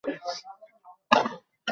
এসব বকরী হচ্ছে সামেরীয়।